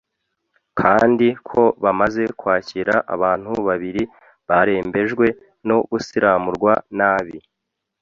kandi ko bamaze kwakira abantu babiri barembejwe no gusiramurwa nabi